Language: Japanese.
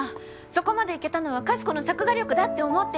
そこまでいけたのはかしこの作画力だって思ってる。